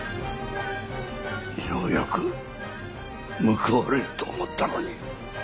ようやく報われると思ったのに！